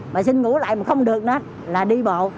mà xin ngủ lại mà không được nữa là đi bộ